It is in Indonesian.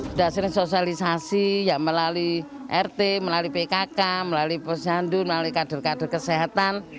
sudah sering sosialisasi ya melalui rt melalui pkk melalui posyandu melalui kader kader kesehatan